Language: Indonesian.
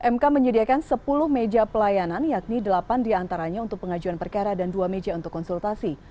mk menyediakan sepuluh meja pelayanan yakni delapan diantaranya untuk pengajuan perkara dan dua meja untuk konsultasi